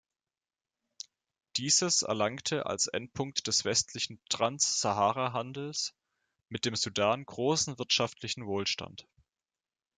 Dieses erlangte als Endpunkt des westlichen Transsaharahandels mit dem Sudan großen wirtschaftlichen Wohlstand.